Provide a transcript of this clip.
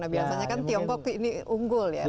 biasanya kan tiongkok ini unggul ya